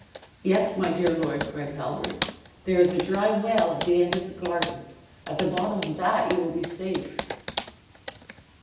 "Yes, my dear lord," cried Halbert, "there is a dry well at the end of the garden; at the bottom of that you will be safe."